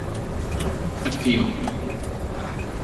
A field.